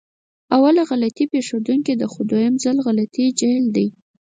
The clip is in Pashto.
اوله غلطي پېښدونکې ده، خو دوهم ځل غلطي جهل دی.